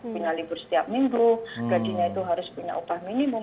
punya libur setiap minggu gajinya itu harus punya upah minimum